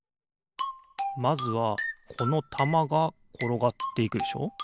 まずはこのたまがころがっていくでしょ。